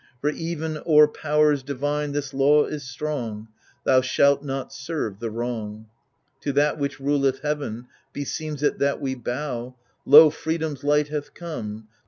For even o'er Powers divine this law is strong — Thou shcUt not serve the wrong. To that which ruleth heaven beseems it that we bow Lo, freedom's light hath come